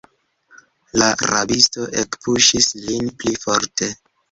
La rabisto ekpuŝis lin pli forte.